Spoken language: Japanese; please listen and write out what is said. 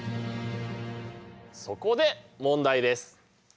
そこで問題です。